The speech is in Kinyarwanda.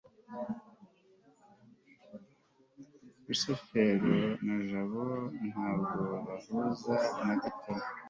rusufero na jabo ntabwo bahuza na gato